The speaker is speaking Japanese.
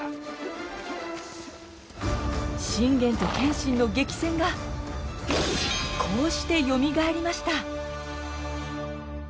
信玄と謙信の激戦がこうしてよみがえりました。